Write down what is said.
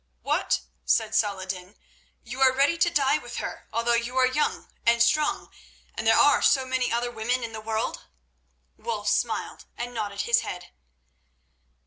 "What!" said Saladin. "You are ready to die with her, although you are young and strong, and there are so many other women in the world?" Wulf smiled and nodded his head.